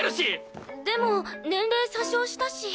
でも年齢詐称したし。